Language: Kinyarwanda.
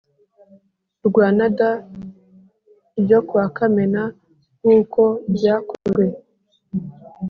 Rwanada ryo kuwa Kamena nk uko byakozwe